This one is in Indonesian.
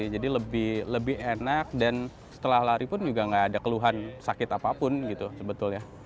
jadi lebih enak dan setelah lari pun juga nggak ada keluhan sakit apapun gitu sebetulnya